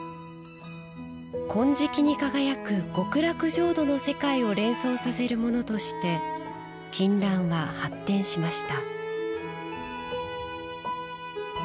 金色に輝く極楽浄土の世界を連想させるものとして金襴は発展しました。